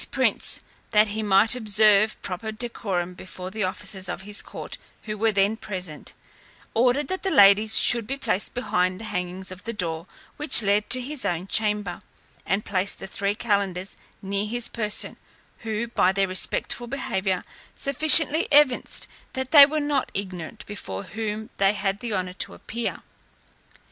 This prince, that he might observe proper decorum before the officers of his court who were then present, ordered that the ladies should be placed behind the hangings of the door which led to his own chamber, and placed the three calenders near his person, who, by their respectful behaviour, sufficiently evinced that they were not ignorant before whom they had the honour to appear.